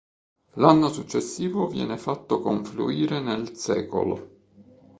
L'anno successivo viene fatto confluire nel "Secolo".